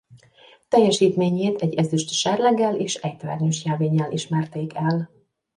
Teljesítményét egy ezüst serleggel és ejtőernyős jelvénnyel ismerték el.